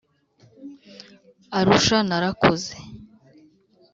Arusha narakoze